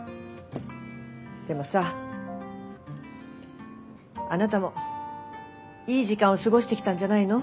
でもさあなたもいい時間を過ごしてきたんじゃないの？